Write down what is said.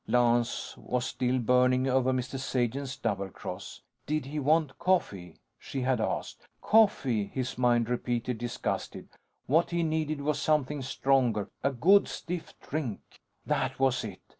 Lance was still burning over Mrs. Sagen's double cross. Did he want coffee? she had asked. Coffee! his mind repeated, disgusted. What he needed was something stronger. A good stiff drink. That was it!